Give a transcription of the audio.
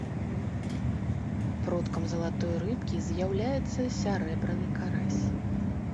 Продкам залатой рыбкі з'яўляецца сярэбраны карась.